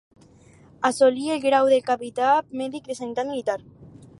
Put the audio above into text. Assolí el grau de capità mèdic de sanitat militar.